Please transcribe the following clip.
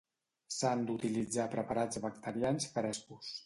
S'han d'utilitzar preparats bacterians frescos.